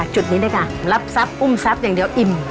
จุดนี้เลยค่ะรับทรัพย์อุ้มทรัพย์อย่างเดียวอิ่ม